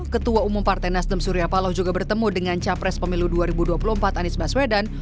ketua umum partai nasdem surya paloh juga bertemu dengan capres pemilu dua ribu dua puluh empat anies baswedan